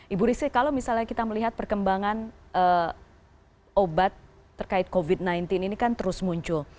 ibu rizky kalau misalnya kita melihat perkembangan obat terkait covid sembilan belas ini kan terus muncul